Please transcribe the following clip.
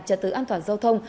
trật tự an toàn giao thông